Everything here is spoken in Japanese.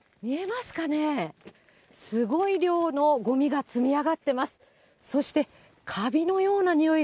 すごい量のごみが積み上がってます。